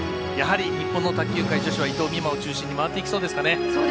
やはり、日本の卓球界女子は伊藤美誠を中心に回っていきそうですかね。